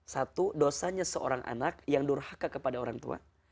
satu dosanya seorang anak yang durhaka kepada orang tua